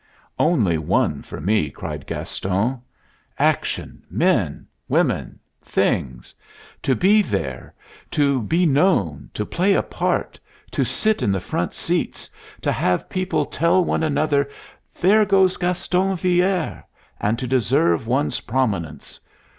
"Only one for me!" cried Gaston. "Action, men, women, things to be there, to be known, to play a part, to sit in the front seats; to have people tell one another, 'There goes Gaston Villere!' and to deserve one's prominence.